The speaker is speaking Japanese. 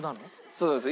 そうです。